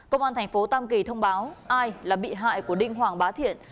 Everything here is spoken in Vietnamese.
công an tp tam kỳ thông báo ai là bị hại của đinh hoàng bá thiện